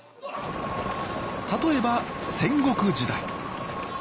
例えば戦国時代。